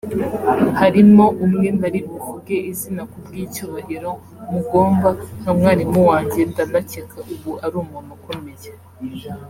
Harimo umwe ntari buvuge izina ku bw’icyubahiro mugomba nka mwarimu wanjye ndanakeka ubu ari umuntu ukomeye